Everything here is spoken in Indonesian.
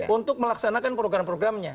untuk melaksanakan program programnya